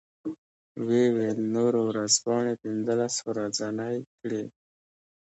و یې ویل نورو ورځپاڼې پنځلس ورځنۍ کړې.